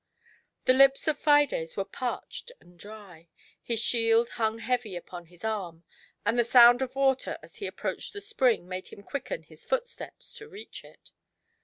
The lips cf Fides were parched and dry, his shield hung heavy upon his arm, and the sound of water as he approached the spring made him quicken his footsteps to reach it.